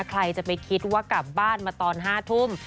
ใครจะไปคิดว่ากลับบ้านมาตอน๕ทุ่ม